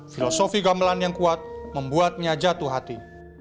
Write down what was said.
filosofi gamelan yang kuat membuatnya jatuh hati